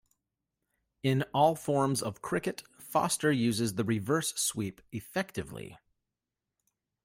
In all forms of cricket, Foster uses the reverse sweep effectively.